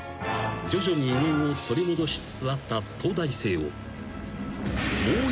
徐々に威厳を取り戻しつつあった東大生を］